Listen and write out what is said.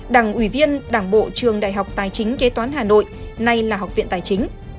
đảng ủy viên đảng bộ trường đại học tài chính kế toán hà nội nay là học viện tài chính